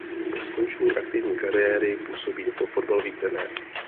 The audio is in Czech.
Po skončení aktivní kariéry působí jako fotbalový trenér.